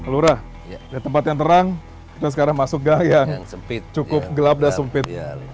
lurah tempat yang terang kita sekarang masuk gang yang cukup gelap dan sempit